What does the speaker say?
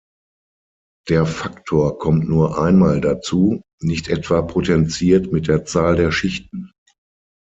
Der Faktor kommt nur einmal dazu, nicht etwa potenziert mit der Zahl der Schichten.